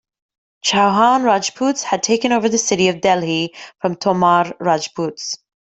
Chauhan Rajputs had taken over the city of Delhi, from Tomar Rajputs.